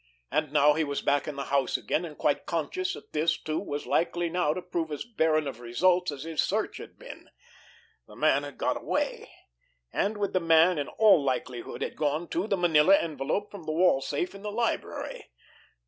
And now he was back in the house again, and quite conscious that this, too, was likely now to prove as barren of results as his search had been. The man had got away, and with the man in all likelihood had gone, too, the manila envelope from the wall safe in the library!